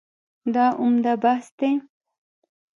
دا عمده بحث دی.